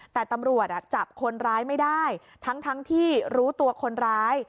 แต่ตำรวจจับคนร้ายไม่ได้ทั้งที่รู้ตัวคนร้าย